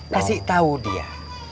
kasih tau dia